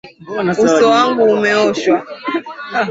Uso wangu umeoshwa.